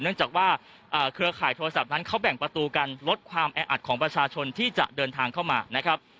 เนื่องจากว่าเครือข่ายโทรศัพท์นั้นเขาแบ่งประตูกันลดความแออัดของประชาชนที่จะเดินทางเข้ามานะครับ